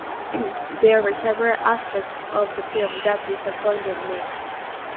There were several aspects of the film that disappointed me.